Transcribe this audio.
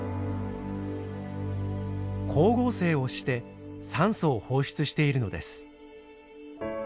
光合成をして酸素を放出しているのです。